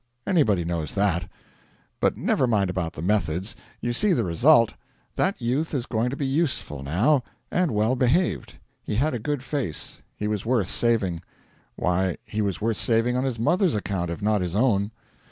Anybody knows that. But never mind about the methods: you see the result. That youth is going to be useful now, and well behaved. He had a good face. He was worth saving. Why, he was worth saving on his mother's account if not his own.